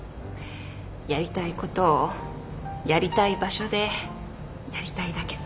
やりたいことをやりたい場所でやりたいだけ